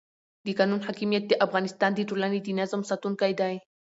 د قانون حاکمیت د افغانستان د ټولنې د نظم ساتونکی دی